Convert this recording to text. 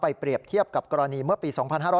ไปเปรียบเทียบกับกรณีเมื่อปี